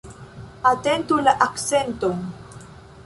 Atentu la akcenton!